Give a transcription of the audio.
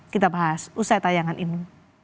kita bahas usai tayangan ini